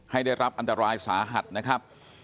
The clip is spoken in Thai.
ได้รับอันตรายสาหัสนะครับ